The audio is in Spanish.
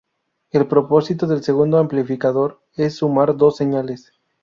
El propósito del segundo amplificador es sumar dos señales.